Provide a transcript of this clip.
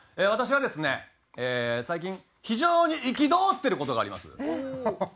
私はですね最近非常に憤ってる事があります。